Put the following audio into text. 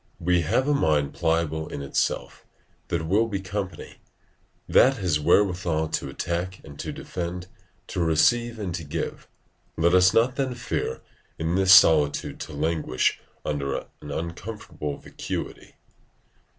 We have a mind pliable in itself, that will be company; that has wherewithal to attack and to defend, to receive and to give: let us not then fear in this solitude to languish under an uncomfortable vacuity.